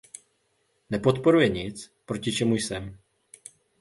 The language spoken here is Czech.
Nepodporuje nic, proti čemu jsem.